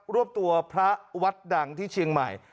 วบตัวพระวัดดังที่เชียงใหม่